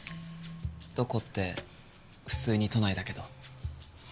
どこって普通に都内だけど。